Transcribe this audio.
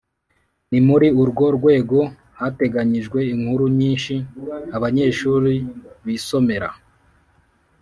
ni muri urwo rwego hateganyijwe inkuru nyinshi abanyeshuri bisomera